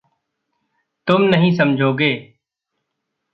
तुम नहीं समझोगे।